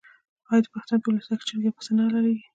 آیا د پښتنو په میلمستیا کې چرګ یا پسه نه حلاليږي؟